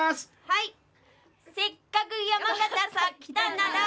はい「せっかぐ山形さ来たなら」